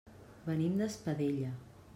Venim d'Espadella.